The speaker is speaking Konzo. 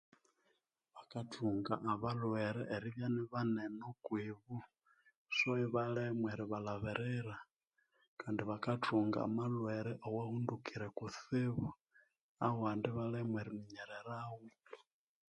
Bakathunga abalhwere eribya ini banene okwibo so ibalemwa eribalabirira kandi bakathunga amalhwere iawahendukire kutsibu awandi ibalemwa eriminyererawo